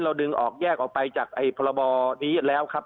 ดึงออกแยกออกไปจากพรบนี้แล้วครับ